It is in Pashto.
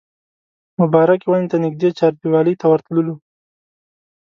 مبارکې ونې ته نږدې چاردیوالۍ ته ورتللو.